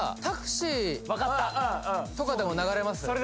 タクシー分かったとかでも流れます？